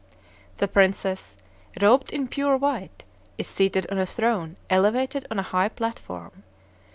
The princess, robed in pure white, is seated on a throne elevated on a high platform.